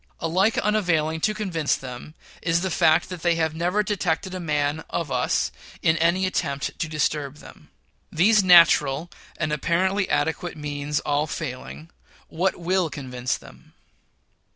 Alike unavailing to convince them is the fact that they have never detected a man of us in any attempt to disturb them. These natural and apparently adequate means all failing, what will convince them?